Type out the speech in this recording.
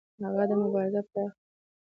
هغه دا مبارزه پراخه کړه.